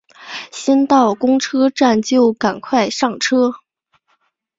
先到公车站就赶快上车